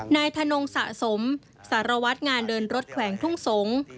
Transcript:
ถนนงสะสมสารวัตรงานเดินรถแขวงทุ่งสงศ์